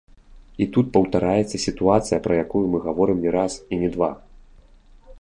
І тут паўтараецца сітуацыя, пра якую мы гаворым не раз, і не два!